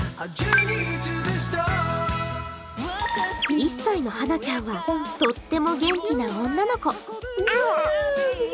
１歳のはなちゃんはとっても元気な女の子。